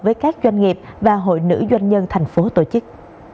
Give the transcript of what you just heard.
với các doanh nghiệp và hội nữ doanh nhân thành phố tổ chức